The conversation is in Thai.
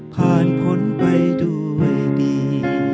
ผ่านพ้นไปด้วยดี